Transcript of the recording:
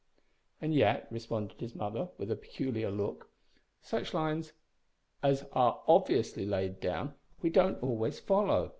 "And yet," responded his mother, with a peculiar look, "such lines as are obviously laid down we don't always follow.